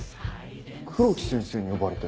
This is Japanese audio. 黒木先生に呼ばれて。